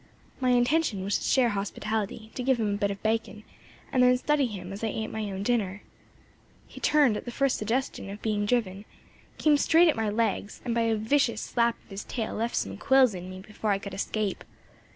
My intention was to share hospitality; to give him a bit of bacon, and then study him as I ate my own dinner. He turned at the first suggestion of being driven, came straight at my legs, and by a vicious slap of his tail left some of his quills in me before I could escape.